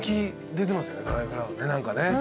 何かね。